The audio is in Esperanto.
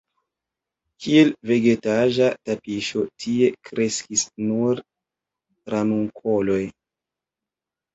Kiel vegetaĵa tapiŝo tie kreskis nur ranunkoloj.